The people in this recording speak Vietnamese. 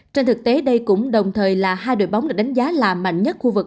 trên thực tế đây cũng đồng thời là hai đội bóng được đánh giá là mạnh nhất khu vực